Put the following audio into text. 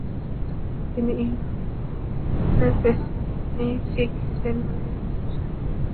তিনি Union Pacific রেলপথের একজন সরকারি পরিচালক নিযুক্ত হন।